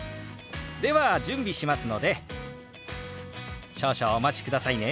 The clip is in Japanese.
では準備しますので少々お待ちくださいね。